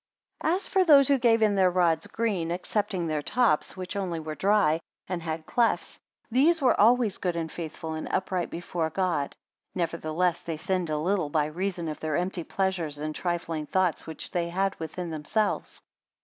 75 As for those who gave in their rods green, excepting their tops, which only were dry, and had clefts; these were always good, and faithful, and upright before God: nevertheless they sinned a little, by reason of their empty pleasures and trifling thoughts which they had within themselves.